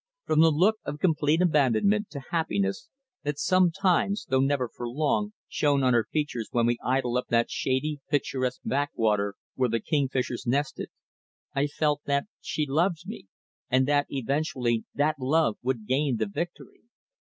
From the look of complete abandonment to happiness that sometimes, though never for long, shone on her features when we had idled up that shady, picturesque backwater, where the kingfishers nested, I felt that she loved me, and that eventually that love would gain the victory.